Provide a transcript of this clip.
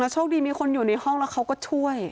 โชคดีมีคนอยู่ในห้องแล้วเขาก็ช่วย